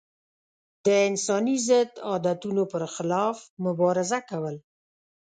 د انساني ضد عادتونو پر خلاف مبارزه کول.